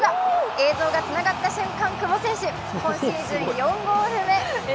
映像がつながった瞬間、久保選手、今シーズン４ゴール目。